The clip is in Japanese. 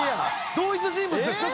同一人物ですか？